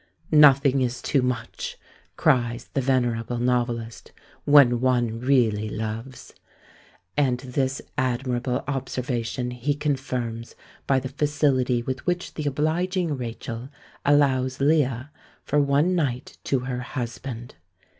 "Nothing is too much," cries the venerable novelist, "when one really loves;" and this admirable observation he confirms by the facility with which the obliging Rachel allows Leah for one night to her husband!